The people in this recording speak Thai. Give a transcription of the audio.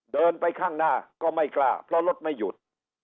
เดินไปข้างหน้าก็ไม่กล้าเพราะรถไม่หยุด